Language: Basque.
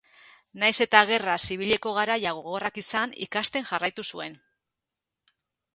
Nahiz eta gerra zibileko garai gogorrak izan, ikasten jarraitu zuen.